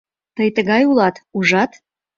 Тый тыгай улат, ужат?